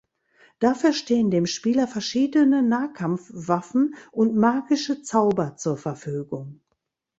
Dafür stehen dem Spieler verschiedene Nahkampfwaffen und magische Zauber zur Verfügung.